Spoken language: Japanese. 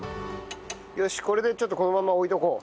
よしこれでちょっとこのまま置いておこう。